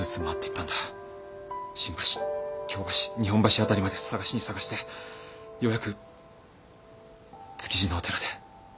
新橋京橋日本橋辺りまで捜しに捜してようやく築地のお寺でかよ